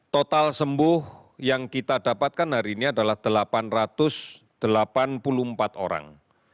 total sembuh yang kita dapatkan hari ini adalah delapan ratus delapan puluh empat orang